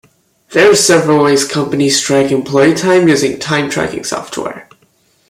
There are several ways companies track employee time using time tracking software.